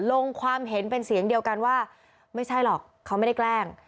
ลงความเห็นเป็นเสียงเดียวกันว่าไม่ใช่หรอกเขาไม่ได้แกล้ง